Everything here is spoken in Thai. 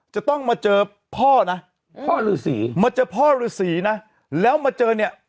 จะต้องมาเจอพ่อนะพ่อฤษีมาเจอพ่อฤษีนะแล้วมาเจอเนี่ย